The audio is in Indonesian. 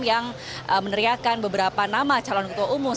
yang meneriakan beberapa nama calon ketua umum